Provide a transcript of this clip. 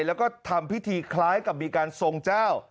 แล้วก็ทำพิธีคล้ายกับมีการทรงเจ้า